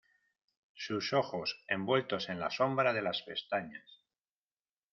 sus ojos, envueltos en la sombra de las pestañas